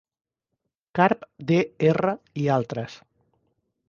Karp D. R. i altres